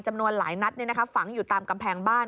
จำนวนหลายนัดฝังอยู่ตามกำแพงบ้าน